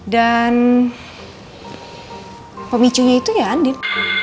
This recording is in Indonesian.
dan pemicunya itu ya andin